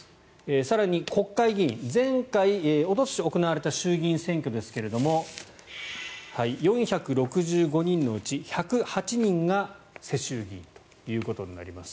更に、国会議員おととし行われた衆議院選挙ですが４６５人のうち１０８人が世襲議員となります。